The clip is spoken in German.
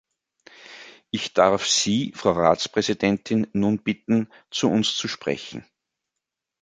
Ich darf Sie, Frau Ratspräsidentin, nun bitten, zu uns zu sprechen.